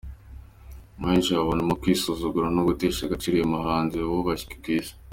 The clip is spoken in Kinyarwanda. Benshi babibonamo kwisuzuguza no gutesha agaciro uyu muhanzi wubashywe ku Isi.